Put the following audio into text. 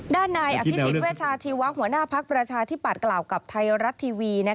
ด้านนายอภิษฎเวชาชีวะหัวหน้าภักดิ์ประชาธิบัตย์กล่าวกับไทยรัฐทีวี